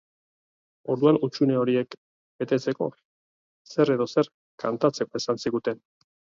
Orduan hutsune horiek betetzeko zer edo zer kantatzeko esan ziguten.